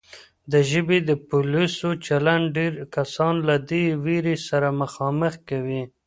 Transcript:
د ژبې د پولیسو چلند ډېر کسان له دې وېرې سره مخامخ کوي